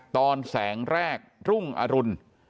ตอนแสงแรกรุ่งอรุณ